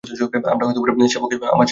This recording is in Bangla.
আমরা সেবক আছি কী করতে?